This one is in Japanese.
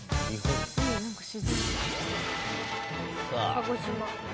鹿児島。